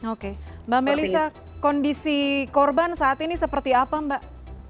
oke mbak melisa kondisi korban saat ini seperti apa mbak